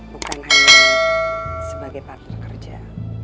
bukan hanya sebagai partner kerja